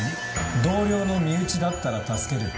「同僚の身内だったら助ける」